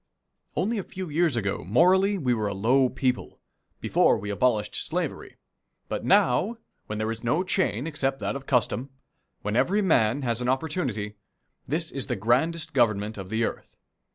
Only a few years ago morally we were a low people before we abolished slavery but now, when there is no chain except that of custom, when every man has an opportunity, this is the grandest Government of the earth.